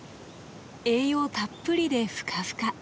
栄養たっぷりでふかふか。